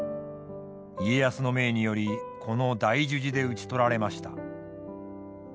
家康の命によりこの大樹寺で討ち取られました。